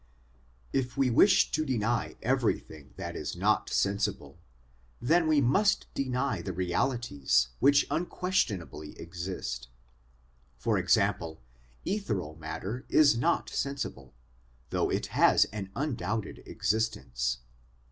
If we wish to deny everything that is not sensible, then we must deny the realities which unquestionably exist. For example, ethereal matter is not sensible, though it has an undoubted existence.